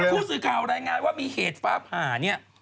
ผู้สื่อข่าวรายงานว่ามีเหตุฟ้าผ่าเนี่ย